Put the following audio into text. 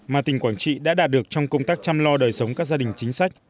mà tỉnh quảng trị đã đạt được trong công tác chăm lo đời sống các gia đình chính sách